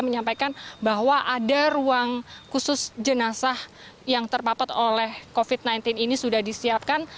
menyampaikan bahwa ada ruang khusus jenazah yang terpapat oleh covid sembilan belas ini sudah disiapkan